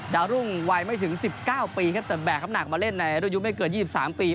ดาวรุ่งวัยไม่ถึง๑๙ปีครับแต่แบกน้ำหนักมาเล่นในรุ่นอายุไม่เกิน๒๓ปี